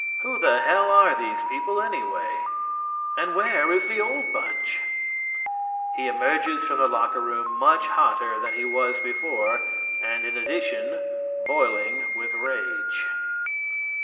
Who the hell are these people anyway? And where is the old bunch? He emerges from the locker room much hotter than he was before and in addition, boiling with rage.